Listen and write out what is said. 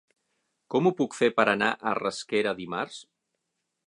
Com ho puc fer per anar a Rasquera dimarts?